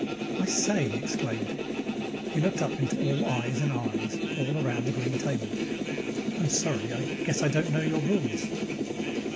"I say!" he exclaimed. He looked up into eyes and eyes, all around the green table. "I'm sorry. I guess I don't know your rules."